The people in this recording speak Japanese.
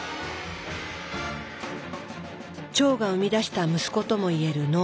腸が生み出した息子ともいえる脳。